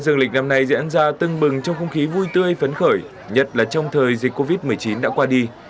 tên dương lịch năm nay dễ dàng ra tưng bừng trong không khí vui tươi phấn khởi nhất là trong thời dịch covid một mươi chín đã qua đi